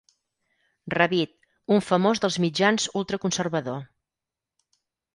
Rabid- Un famós dels mitjans ultra conservador.